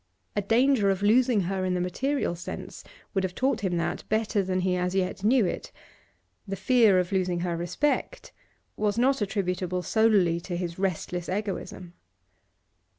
A danger of losing her in the material sense would have taught him that better than he as yet knew it; the fear of losing her respect was not attributable solely to his restless egoism.